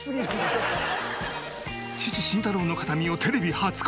父慎太郎の形見をテレビ初公開！